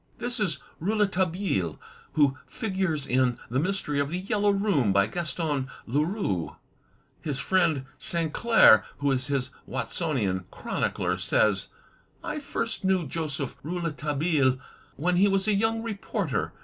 This is Rouletabille, who figures in "The Mystery of the Yellow Room," by Gaston Leroux. His friend Sainclair, who is his Watsonian chronicler, says: I first knew Joseph Rouletabille when he was a young reporter.